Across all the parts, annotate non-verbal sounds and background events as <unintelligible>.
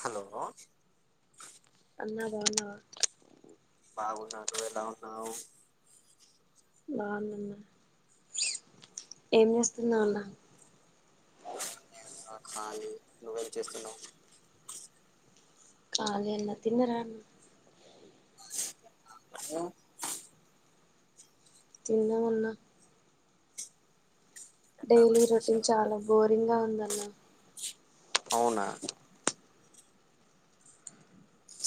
Hello! <unintelligible> బాగున్నావా? బాగున్నా, నువ్వెలా ఉన్నావ్? బాగున్న అన్న, ఏం చేస్తున్నావ్ అన్న? ఆ కాళీ, నువ్వేం చేస్తున్నావు? కాళీ అన్న. తిన్నారా అన్న? ఆ తిన్నాం, నువ్వు? తిన్నామన్న డైలీ రొటీన్ చాలా బోరింగ్ గా ఉందన్న. అవునా?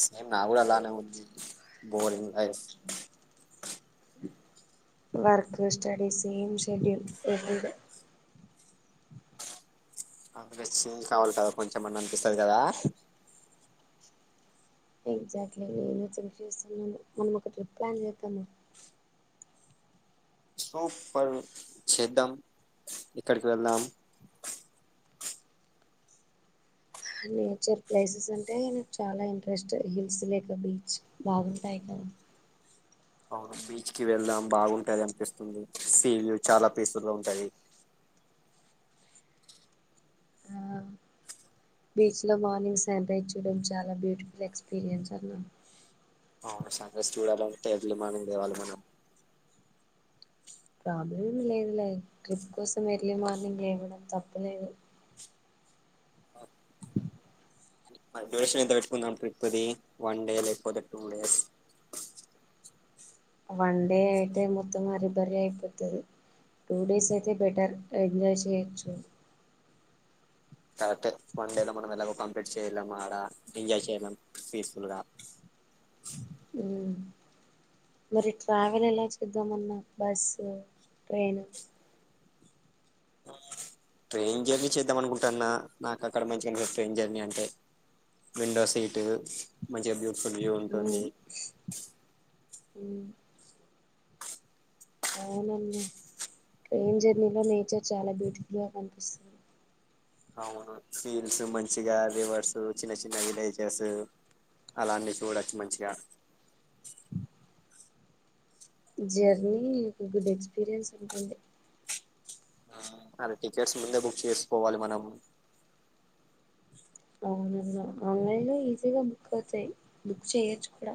సేమ్ నా కూడా అలానే ఉంది, బోరింగ్ లైఫ్. వర్క్ స్టడీస్ ఏమ్ షెడ్యూల్ ఎవ్రీడే నాకు <unintelligible> కొంచమైనా అనిపిస్తది కదా ఎగ్జాక్ట్లీ, నేను థింక్ చేస్తున్నాను. మనం ఒక ట్రిప్ ప్లాన్ చేద్దాం. సూపర్. చేద్దాం. ఎక్కడికి వెళ్దాం? నేచర్ ప్లేసెస్ అంటే చాలా ఇంట్రెస్ట్. హిల్స్ లేక బీచ్ బాగుంటాయి క <unintelligible> అవును బీచ్ కి వెళ్దాం బాగుంటది అనిపిస్తుంది. సీలు చాలా పీస్ ఫుల్ గా ఉంటది. ఆ బీచ్ లో మార్నింగ్ సన్ రైజ్ చూడం చాలా బ్యూటిఫుల్ ఎక్స్పీరియన్స్ అన్నా. అవును సన్ రైస్ చూడాలంటే ఎర్లీ మార్నింగ్ లేవాలి మనం. ప్రాబ్లం లేదులే. ట్రిప్ కోసం ఎర్లీ మార్నింగ్ లేవడం తప్పులేదు. డ్యూరేషన్ ఎంత పెట్టుకుందా ట్రిప్ ది? వన్ డే లేకపోతే టూ డేస్? వన్ డే అయితే మొత్తం హరి బరి అయిపోతది. టూ డేస్ అయితే బెటర్. ఎంజాయ్ చేయయిచ్చు. కరెక్ట్ ఎ. వన్ డే లో మనం ఎలాగో కంప్లీట్ చేయలేం ఆడ ఎంజాయ్ చేయలేం పీస్ఫుల్ గా. హ్మ్ మరి ట్రావెలెలా చేద్దామన్నార్ బస్సు, ట్రైను ట్రైన్ జర్నీ చేద్దామనుకుంటాన్న నాకక్కడ మంచిగన్పి ట్రైన్ జర్నీ అంటే విండో సీటు మంచిగ బ్యూటిఫుల్ వ్యూ ఉంటుంది ఉమ్ ఉమ్ అవునన్న ట్రైన్ జర్నీలో నేచర్ చాలా బ్యూటిఫుల్ గ కనిపిస్తుంది. అవును సీన్స్ మంచిగా రివర్స్ చిన్న చిన్న విలేజెస్ అలాన్నీ చూడొచ్చు మంచిగా జర్నీ కు గుడ్ ఎక్స్పీరియన్స్ ఉంటుంది ఆ అదే టికెట్స్ ముందే బుక్ చేసుకోవాలి మనం అవునన్న ఆన్లైన్ లో ఈజీగా బుక్ అవుతయి, బుక్ చేయొచ్చు కూడా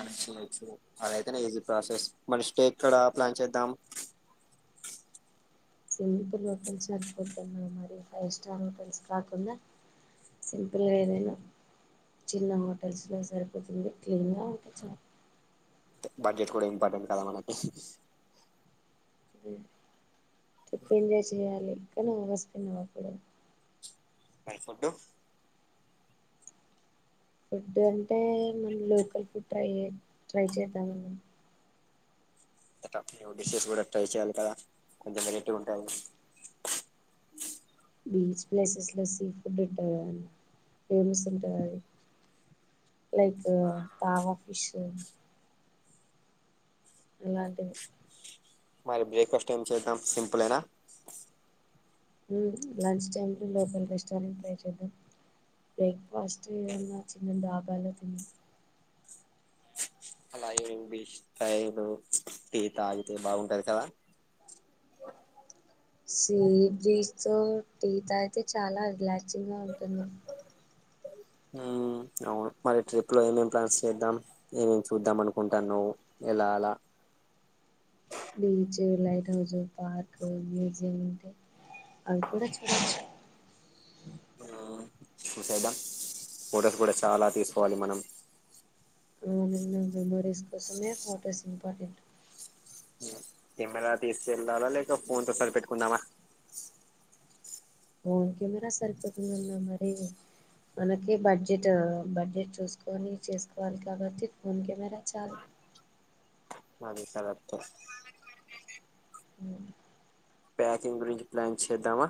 మంచిగ ఎక్స్పీరియన్స్ అదైతనే ఈజీ ప్రాసెస్ మరి నెస్టేక్కడా ప్లాన్ చేద్దాం? సింపుల్ హోటల్స్ సరిపోద్దన్న మరి ఫైవ్ స్టార్ హోటల్స్ కాకుండా సింపుల్గా ఏదైనా చిన్న హోటల్స్ లో సరిపోతుంది క్లీన్ గా ఉంటె చాలు తె బడ్జెట్ కూడ ఇంపార్టెంట్ కదా మనకి ట్రిప్ ఎంజాయ్ చెయాలి ఇంకా నా వస్తున్నావ అప్పుడే? మరి ఫుడ్డు ఫుడ్ అంటే మన లోకల్ ఫుడ్ ట్రై చే ట్రై చేద్దామన్న. డిషెస్ గుడా ట్రై చేయాలి కదా కొంచెం వెరైటీగుంటాయి బీచ్ ప్లేసెస్ లో సీ ఫుడ్ ఉంటదిగదన్న ఫేమస్ ఉంటదది. లైక్ టామ ఫిష్ అలాంటివి మరి బ్రేక్ఫాస్ట్ ఏం చేద్దాం సింపులేనా? ల్ లంచ్ టైంలో లోకల్ రెస్టారెంట్ ట్రై చేద్దాం. బ్రేక్ఫాస్ట్ ఏదన్నా చిన్న దాబాలో తిందాం ఇంగ్విష్ టైంలో టీ తాగితే బాగుంటది కదా సీ బ్రిస్ తో టీ తాగితే చాలా రిలాక్సింగ్ గా ఉంటుంది ఉమ్ అవును మరి ట్రిప్ లో ఏమేం ప్లాన్స్ చేద్దాం ఏమేం చూద్దాం అనుకుంటాన్నావ్ న్ ఎలాలా beach, lighthouse, park museum ఉంటయ్ అవి కూడా చాల ఆ ఫోటోస్ గుడా చాలా తీసుకోవాలి మనం అవునన్న మెమోరీస్ కోసమే ఫొటోస్ ఇంపార్టెంట్ కెమెరా తీసుకెల్లాల లేక ఫోన్ తో సరి పెట్టుకుందామా? ఫోన్ కెమెరా సరిపోతుందన్న మరీ మనకె బడ్జెట్ బడ్జెట్ చూసుకొని చేసుకోవాలి కాబట్టి ఫోన్ కెమెరా చాలు. నాది చాలా <inaudible> హ్మ్ ప్యాకింగ్ గురించి ప్లాన్ చేద్దామా?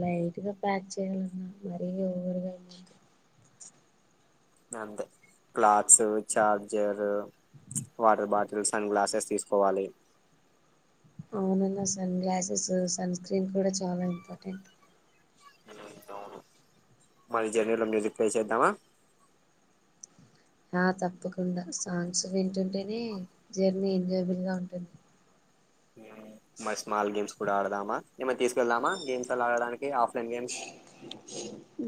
లైట్గా ప్యాక్ చేయాలన్నా, మరీ ఓవర్గా ఏమొద్దు అంతే clothes, charger water bottles and glasses తీసుకోవాలి morning sunglasses sunscreen కూడా చాలా ఇంపార్టెంట్ మరి జర్నీలో మ్యూజిక్ ప్లే చేద్దామా ఆ తప్పకుండా సాంగ్స్ వింటుంటేనే జర్నీ ఎంజాయబుల్ గా ఉంటుంది మ స్మాల్ గేమ్స్ కూడా ఆడదామా ఏమన తీసుకెళ్దామా గేమ్స్ అలా ఆడడానికి ఆఫ్ల ఇండియన్స్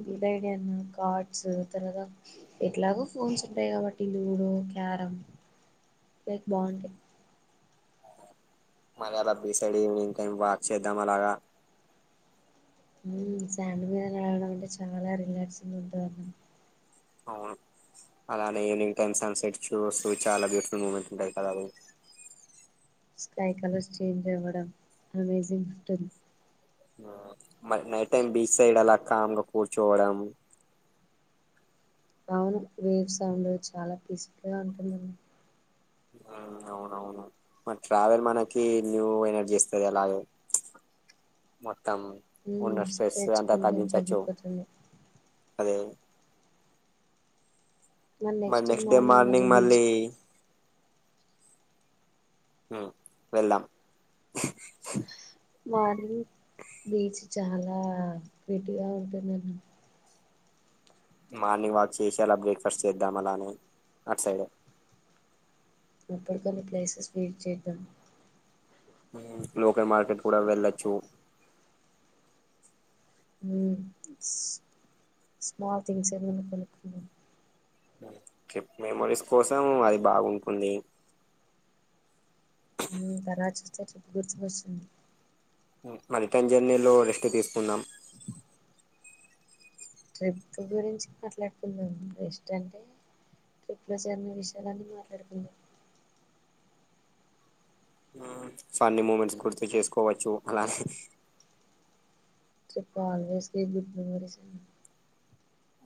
డివైడ్ కార్డ్స్ తరగా ఎట్లాగో ఫోన్స్ ఉంటాయి కాబట్టి లూడో క్యారం లేక్ బాగుంటాయి మరల బీచ్ సైడ్ ఈవెనింగ్ వాక్ చేదాం అలాగా సాండ్ మీద అలాగ చాల రిలాక్స్ గ ఉంటది అవును అలానే ఈవినింగ్ టైమ్ సన్సెట్ చూస్తు చాలా బ్యూటిఫుల్ మూమెంట్ ఉంటది కదా అన్ స్కై కలర్స్ చేంజ్ అవ్వడం అమేజింగ్ గిఫ్ట్ అది మ నైట్ టైమ్ బీచ్ సైడ్ అలా కామ్ గా కూర్చోవడం అవును వేవ్ సౌండ్ చాలా పీస్ఫుల్ గా ఉంటుందండి అవునవును మ ట్రావెల్ మనకి న్యూ ఎనర్జీ ఇస్తది అలాగే మొత్తం ఉన్న స్ట్రెస్ స్ట్రెచ్ అంతా కొంచెం తగ్గించచ్చు తగ్గిపోతుంది అదే మరి నెక్స్ట్ డే మార్నింగ్ మళ్ళీ హుమ్ వెళ్దాం మార్నింగ్ బీచ్ చాలా నీట్ గా ఉంటుంది అని మార్నింగ్ వాక్ చేసి అలా బ్రేక్ఫాస్ట్ చేద్దాం అలానే అటుసైడే ఇప్పుడుకన్నా ప్లేసెస్ ఫీడ్ చేద్దాం లోకల్ మార్కెట్ కూడా వెళ్ళచ్చు హుమ్ స్మాల్ తింగ్స్ అవి ఏమనకొనుక్ ట్రిప్ మెమరీస్ కోసం అది బాగుంటుంది తరా చూస్తే చెప్పు గుర్తుకు వస్తుంది మరిపన్ జర్నీలో రెస్ట్ తీసుకున్నామ్ ట్రిప్ గురించి మాట్లాడుకుందాం రెస్ట్ అంటే ట్రిప్లో జరిగిని విషయాలు అన్ని మాట్లాడుకుందాం హుమ్ ఫన్నీ మూమెంట్స్ గుర్తు చేసుకోవచ్చు అలా trip always be good memories ఏ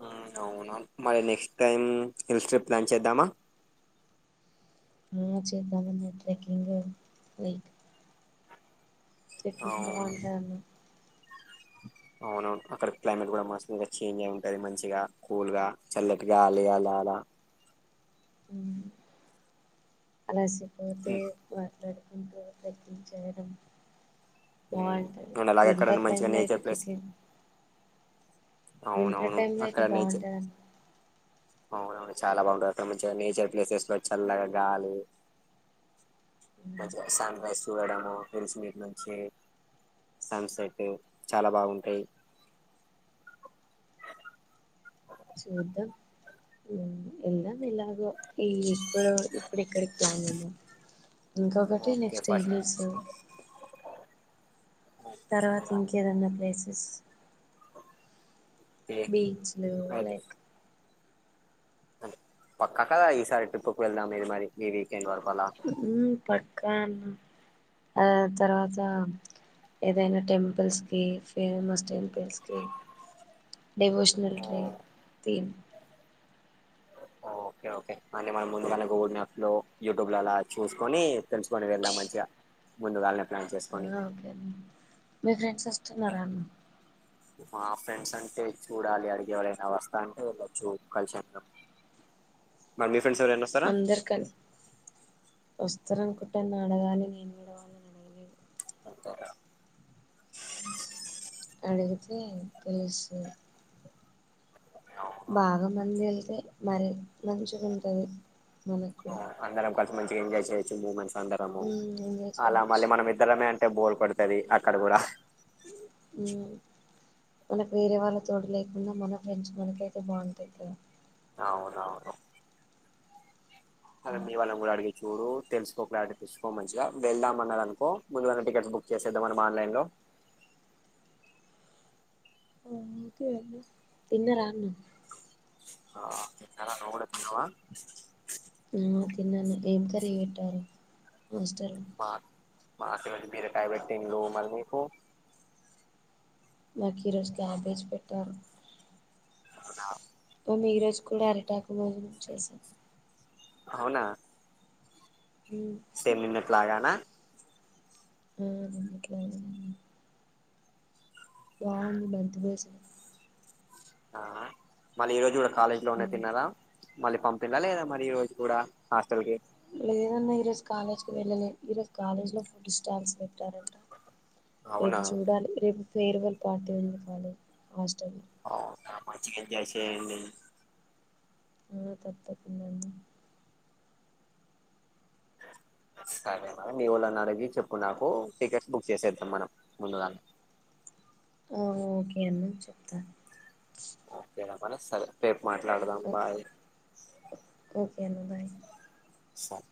హుమ్ అవునా మరి next time hills trip plan చేద్దామా ఆ చేద్దాము పోయి ట్రెకింగ్ లైక్ ట్రెక్కింగ్ అవును బాగుంటాయి అవునవును అక్కడ క్లైమేట్ కూడా మస్తు చేంజ్ అయి ఉంటది మంచిగా కూల్ గా చల్లటి గాలి అల్లా అల్లా అలసిపోతే ఉమ్, <unintelligible> ట్రక్కింగ్ చేయడం ఉమ్. బావుంటది అండ్ అలాగే అక్కడ వింటర్ టైమ్ మంచిగా లో నేచర్ అయితే ప్లేస్ ట్రెక్కింగ్ వింటర్ అవునవును టైమ్ లో అయితే అక్కడ నేచర్ బావుంటది అవునవును చాలా బాగుంటంది అక్కడ మంచి గా నేచర్ ప్లేసెస్ లో చల్లగా గాలి మంచిగా సన్ రైస్ చూడము సన్ సెట్ చాల బాగుంటది చూద్దం హమ్ వెల్దామ్ ఎలాగో ఈ ఇప్పుడ ఇప్పుడిక్కడి కి ప్లాన్ చే ఇంకొకటి ఓకే నెక్స్ట్ ఫస్ట్ ఇయర్ తర్వాత ఇంకేదన్నా ప్లేసెస్ ఓకే బీచ్లు లైక్ అ పక్కాక ఈసారి ట్రిప్పుకి వెళ్దాం ఇది మరి మీది మ్ పక్క ఆ తర్వాత ఏదైనా టెంపుల్స్ కి ఫేమస్ టెంపుల్స్ కి డివోషనెల్ ఓ ట్రిప్ ఓకే ఓకే అంటే మనం ముందుగానే గూగుల్ మ్యాప్ లో యూట్యూబ్ లో అలా చూసుకొని తెలుసుకొని వెళ్దాం మంచిగా ముందుగాళ్ళనే ప్లాన్ ఆ చేసుకొని ఓకే అన్న మీ ఫ్రెండ్స్ వస్తున్నారాఅన్న మా ఫ్రెండ్స్ అంటే చూడాలి అడిగిఎవరైనా వస్తా అంటే వెళ్ళొచ్చు కలిసిసందరాం మరి మీ ఫ్రెండ్స్ ఎవరైనా వస్తారా వస్తరనుకుంట నాన అడగాలి నేను నేను అడగాలి ఒకే రా అడిగితే తెలుసు బాగా మంది ఎల్తే మరి మంచిగా ఉంటంది మనకుడా అందరం కలిసి మంచిగా ఎజాయ్ చేయచ్చు మూమెంట్స్ అందరము ఉమ్, ఎంజాయ్ అలా చేయొచ్చు మల్లి మన ఇద్దరమే అ బోర్ కొడతది అక్కడ కూడా హుమ్ మనకు వేరే వాళ్ళ తోడు లేకుండా మన ఫ్రెండ్స్ మనకయితే బావుంటది కదా అవుదవును అద మీ వాళ కూడా అడిగ చూడు తెలుసుకో క్లారిటీ తీచ్చసుకో మంచిగా వెళ్దామ అన్నది అనుకో ముందు టికెట్స్ బుక్ చేసేద్దా మనం ఆన్లైన్ లో ఆఓక తన్న రాన్నా కనా రడవా ఆ, తిన్నాను ఏం కఖరీ పెట్టారు మాస్టర్ మా మా మ బరటయ బట్టటి లో మరికు నాకు ఈ రోజు క్యాబేజ్ పెట్టారు అ మము ఈ రోజు కూడా అర్టాక్ భోజనం చేసిాం అవునా స మినిట్ లాగానా ఆ నిన్నట్లేయి బాగుంది బంత పసి ఆ మళ్ళీ ఈ రోజు కూడా కాలేజీ లో ఉన్న తిన్నారా మళ్ళీ పంపిందా లేదా మరి ఈ రోజు కూడా హాస్టల్ కి లేదన్నా ఈ రోజు కాలేజ్కి వెళ్ళలే ఈరోజు కాలేజ్ లో ఫుడ్ స్టాల్స్ పెట్టారంట రేపు అవునా చూడాలి రేపు ఫేర్వల్ పార్టీ ఉంది కాదు హాస్టల్ అఓ త మంచిగాస అ తప్ప తంద సరే మ మీ ఊళ్ళు అన్న అగి చెప్పుకు నాకు టికెట్స్ బుక్ చేసేద్దాం మనం ముందుగానే ఆ ఓకే అన్న చెప్తా సరేపు మాట్లాడదాం బాయ్ ఎనుదా సార్